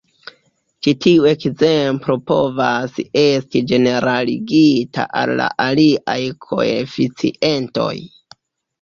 Ĉi tiu ekzemplo povas esti ĝeneraligita al la aliaj koeficientoj.